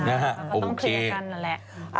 ก็ต้องเคลียร์กันนั่นแหละ